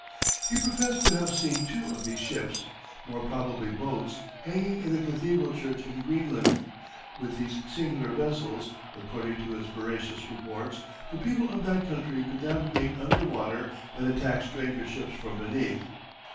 He professed to have seen two of these "ships," more probably boats, hanging in a cathedral church in Greenland. With these singular vessels, according to his veracious reports the people of that country could navigate under water and attack stranger ships from beneath.